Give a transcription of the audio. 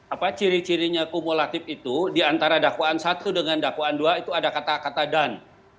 apa ciri cirinya kumulatif itu diantara dakwaan satu dengan dakwaan dua itu ada kata kata dan